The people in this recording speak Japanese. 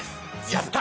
やった！